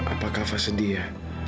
apa kava sedih ya